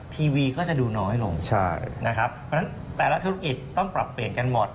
ทีวีก็จะดูน้อยลงใช่นะครับเพราะฉะนั้นแต่ละธุรกิจต้องปรับเปลี่ยนกันหมด